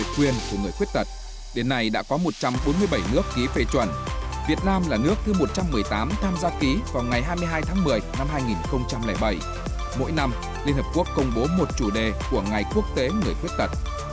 quyền của người khuyết tật đến nay đã có một trăm bốn mươi bảy nước ký phê chuẩn việt nam là nước thứ một trăm một mươi tám tham gia ký vào ngày hai mươi hai tháng một mươi năm hai nghìn bảy mỗi năm liên hợp quốc công bố một chủ đề của ngày quốc tế người khuyết tật